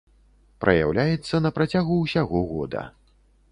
Праяўляецца на працягу ўсяго года.